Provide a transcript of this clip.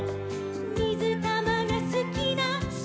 「みずたまがすきなしまうま」